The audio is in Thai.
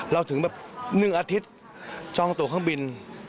ถึงแบบ๑อาทิตย์จองตัวเครื่องบิน